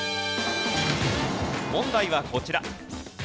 問題はこちら。